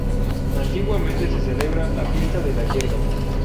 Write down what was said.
Antiguamente se celebraba la fiesta de la Hierba.